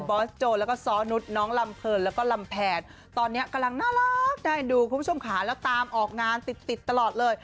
อสโจแล้วก็ซ้อนุษย์น้องลำเพลินแล้วก็ลำแผนตอนนี้กำลังน่ารักได้ดูคุณผู้ชมค่ะแล้วตามออกงานติดติดตลอดเลย